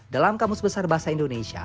dalam kamus besar bahasa indonesia